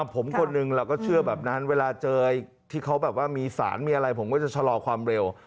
ผมคนหนึ่งเราก็เชื่อแบบนั้นเวลาเจอที่เขาแบบว่ามีสารมีอะไรผมก็จะชะลอความเร็ว